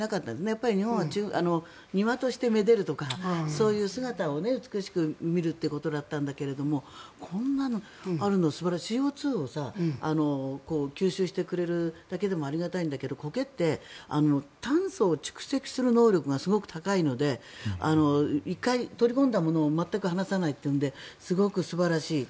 やっぱり日本は庭としてめでるとかそういう姿を美しく見るということだったんだけどこんなのがあるのって素晴らしいＣＯ２を吸収してくれるだけでもありがたいんだけどコケって炭素を蓄積する能力がすごく高いので１回、取り込んだものを全く離さないっていうのですごく素晴らしい。